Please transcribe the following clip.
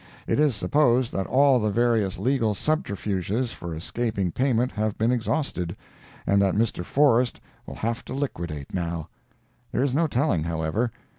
It is supposed that all the various legal subterfuges for escaping payment have been exhausted, and that Mr. Forrest will have to liquidate, now. There is no telling, however.